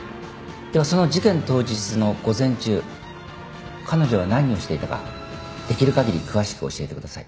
ではその事件当日の午前中彼女は何をしていたかできるかぎり詳しく教えてください。